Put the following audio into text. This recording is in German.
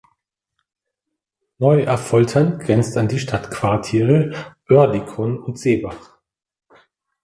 Neu-Affoltern grenzt an die Stadtquartiere Oerlikon und Seebach.